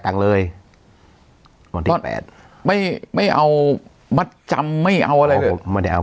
ตังค์เลยวันที่แปดไม่ไม่เอาใจมไม่เอาอะไรเลยไม่ได้เอา